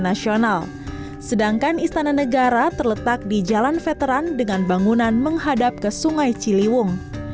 nasional sedangkan istana negara terletak di jalan veteran dengan bangunan menghadap ke sungai ciliwung